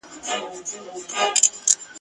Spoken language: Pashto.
په مدار مدار یې غاړه تاووله ..